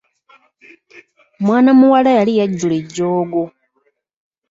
Mwana muwala yali yajjula ejjoogo.